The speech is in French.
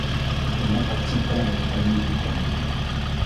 Elle n'appartient pas à une famille déterminée.